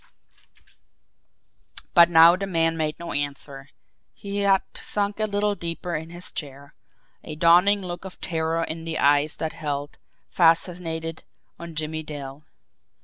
But now the man made no answer. He had sunk a little deeper in his chair a dawning look of terror in the eyes that held, fascinated, on Jimmie Dale.